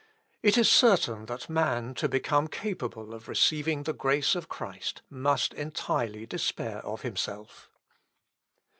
"It is certain that man, to become capable of receiving the grace of Christ, must entirely despair of himself.